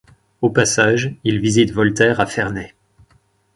Au passage, il visite Voltaire à Ferney.